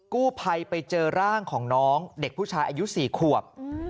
กู้ภัยไปเจอร่างของน้องเด็กผู้ชายอายุ๔ขวบ